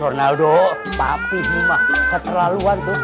ronaldo tapi hima keterlaluan tuh